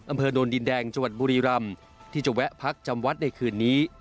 โดนดินแดงจังหวัดบุรีรำที่จะแวะพักจำวัดในคืนนี้